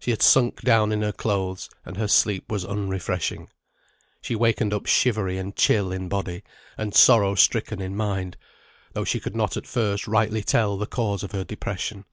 She had sunk down in her clothes, and her sleep was unrefreshing. She wakened up shivery and chill in body, and sorrow stricken in mind, though she could not at first rightly tell the cause of her depression.